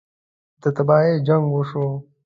ده تباهۍ جـنګ وشو.